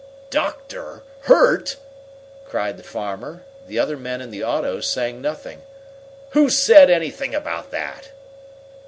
"Doctor? Hurt?" cried the farmer, the other men in the auto saying nothing. "Who said anything about that?"